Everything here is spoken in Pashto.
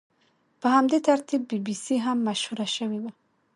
په همدې ترتیب بي بي سي هم مشهوره شوې وه.